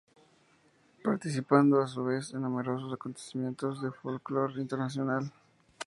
Participando a su vez en numerosos acontecimientos de folklore internacional.